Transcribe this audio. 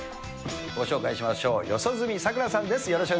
ご紹介しましょう、四十住さくらさんです。